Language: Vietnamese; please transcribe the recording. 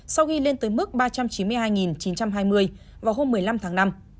sau khi lên tới mức ba trăm chín mươi hai chín trăm hai mươi vào hôm một mươi năm tháng năm